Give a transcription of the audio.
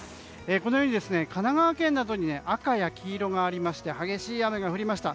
神奈川県などに赤や黄色があって激しい雨が降りました。